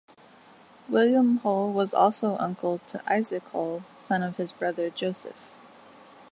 William Hull was also uncle to Isaac Hull, son of his brother Joseph.